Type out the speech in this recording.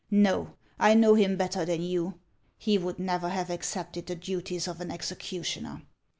Xo, I know him better than you ; he would never have accepted the duties of an executioner.